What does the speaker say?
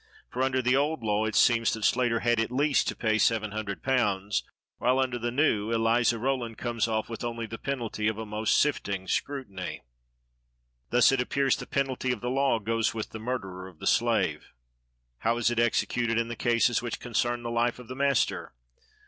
For under the old law it seems that Slater had at least to pay seven hundred pounds, while under the new Eliza Rowand comes off with only the penalty of "a most sifting scrutiny." Thus, it appears, the penalty of the law goes with the murderer of the slave. How is it executed in the cases which concern the life of the master?